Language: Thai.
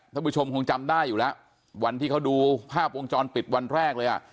ท่านผู้ชมคงจำได้อยู่แล้ววันที่เขาดูภาพวงจรปิดวันแรกเลยอ่ะ